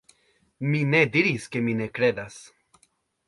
Mi ne diris ke mi ne kredas.